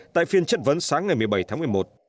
tại phiên chất vấn sáng ngày một mươi bảy tháng một mươi một